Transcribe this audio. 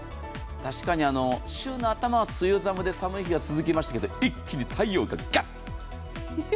確かに週の頭は梅雨寒で寒い日が続きましたけど、一気に太陽がガッ！